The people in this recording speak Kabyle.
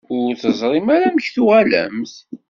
Ur teẓrimt ara amek tuɣalemt?